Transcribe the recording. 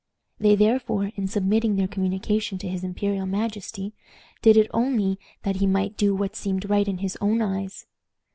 They therefore, in submitting their communication to his imperial majesty, did it only that he might do what seemed right in his own eyes.